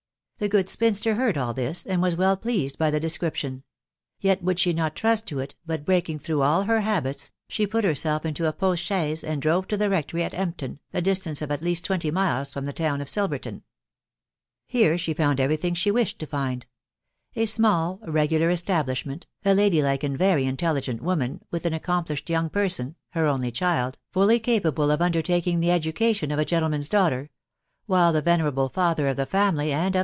The good, spinster beard; asL this, and. was well pleased by thei description;; yet would she not trust to it; but breaking, through all. her. banksy sbei pur. herBolf into a potti chaise.and drove to the rectory/ of Etapton^a distance of at leaat twenty* miles from the towns ofi. Sirvorton. Here* she found: every thing, she wished tor find:; a sro*ll> regular esta* bUshment^ »i lady like: and very intelligent woman, with an accomplished young person (her only" child)., folly capable* of undertaking the: education1 of' a. gentleman's* daughter; while the venerable, father of the family and of.